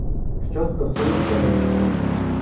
Що стосується річки.